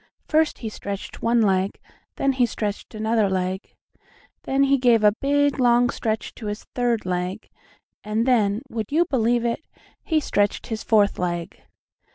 First he stretched one leg, then he stretched another leg; then he gave a big, long stretch to his third leg, and then, would you believe it? he stretched his fourth leg.